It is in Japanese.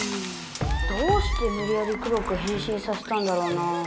どうしてむりやり黒くへんしんさせたんだろうな。